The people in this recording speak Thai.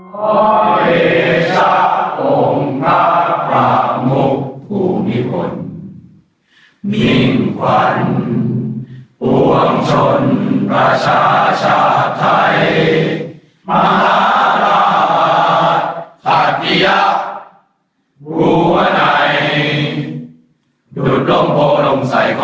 โปรดติดตามตอนต่อไป